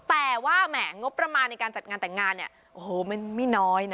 แต่ว่าแหมงบประมาณในการจัดงานแต่งงานเนี่ยโอ้โหมันไม่น้อยนะ